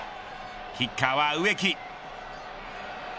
キッカーは植木。